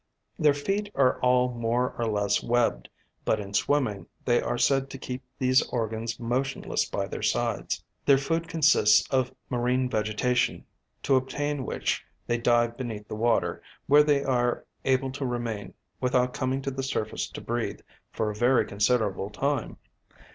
Their feet are all more or less webbed, but in swimming they are said to keep these organs motionless by their sides. Their food consists of marine vegetation, to obtain which they dive beneath the water, where they are able to remain, without coming to the surface to breathe, for a very considerable time.